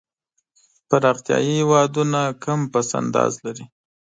پرمختیایي هېوادونه کم پس انداز لري.